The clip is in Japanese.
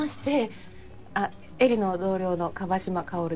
絵里の同僚の河島薫です。